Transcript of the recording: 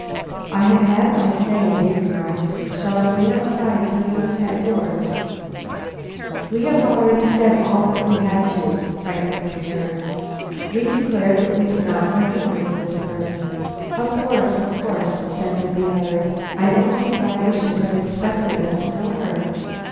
"I have had my say," he remarked. "Shall I wait outside till you have had yours?" "We have already said all that we had to," Franklin returned. "We declared that we did not recognize this person." "Of course, of course," assented the other. "I don't see why they should have expected us to know her.